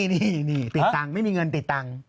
นี่ติดตังค์ไม่มีเงินติดตังค์